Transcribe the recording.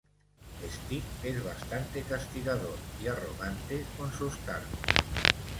Stick es bastante castigador y arrogante con sus cargos.